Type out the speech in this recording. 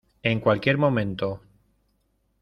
en cualquier momento.